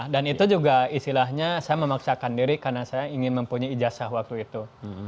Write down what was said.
itu juga istilahnya saya memaksakan diri karena saya ingin mempunyai ijazah waktu itu